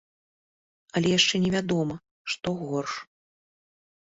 Але яшчэ невядома, што горш.